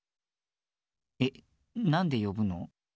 えなんでよぶの？